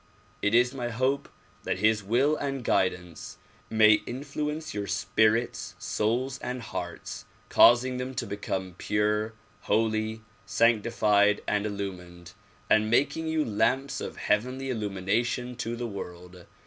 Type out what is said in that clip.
It is my hope that his will and guid ance may influence your spirits, souls and hearts, causing them to become pure, holy, sanctified and illumined and making you lamps of heavenly illumination to the world.